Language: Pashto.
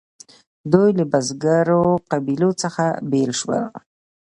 دوی له بزګرو قبیلو څخه بیل شول.